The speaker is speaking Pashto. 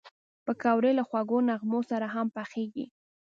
پکورې له خوږو نغمو سره هم پخېږي